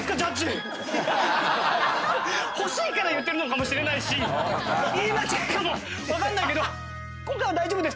欲しいから言ってるのかもしれないし言い間違いかも分かんないけど。